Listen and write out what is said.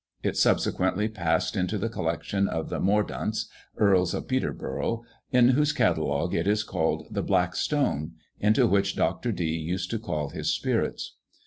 It subsequently passed into the collection of the Mordaunts, Earls of Peterborough, in whose catalogue it is called the black stone, into which Dr. Dee used to call his spirits.